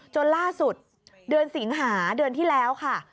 จนล่าสุดเดือนสิงหาเดือนที่แล้วค่ะ